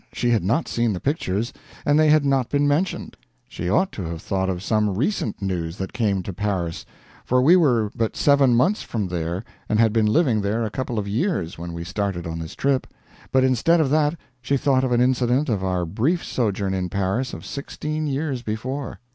She had not seen the pictures, and they had not been mentioned. She ought to have thought of some recent news that came to Paris, for we were but seven months from there and had been living there a couple of years when we started on this trip; but instead of that she thought of an incident of our brief sojourn in Paris of sixteen years before.